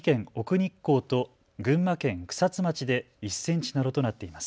日光と群馬県草津町で１センチなどとなっています。